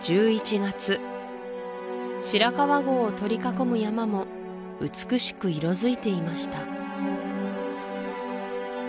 月白川郷を取り囲む山も美しく色づいていました